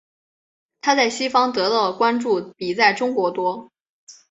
她在西方得到的关注比在中国多。